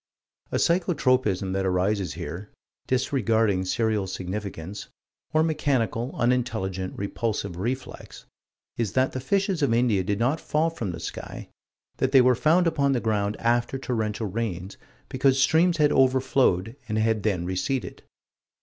A psycho tropism that arises here disregarding serial significance or mechanical, unintelligent, repulsive reflex is that the fishes of India did not fall from the sky; that they were found upon the ground after torrential rains, because streams had overflowed and had then receded.